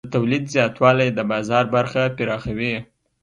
د تولید زیاتوالی د بازار برخه پراخوي.